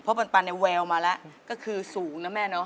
เพราะปันแววมาแล้วก็คือสูงนะแม่